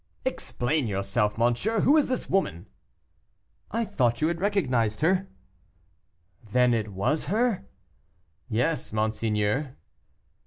"Explain yourself, monsieur; who is this woman?" "I thought you had recognized her." "Then it was her?" "Yes, monseigneur."